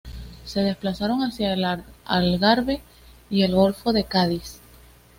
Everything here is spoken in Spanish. Se desplazaron hacia el Algarve y el golfo de Cádiz.